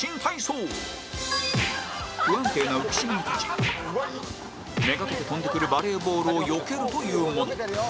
不安定な浮島に立ちめがけて飛んでくるバレーボールをよけるというもの